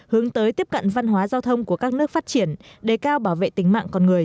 hướng tới tiếp cận văn hóa giao thông của các nước phát triển đề cao bảo vệ tính mạng con người